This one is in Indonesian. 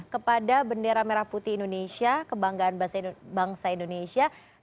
kepada bendera merah putih indonesia kebanggaan bangsa indonesia